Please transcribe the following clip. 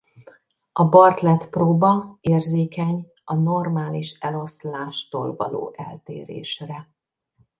A Bartlett-próba érzékeny a normális eloszlástól való eltérésre.